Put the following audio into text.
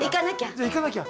じゃ行かなきゃ。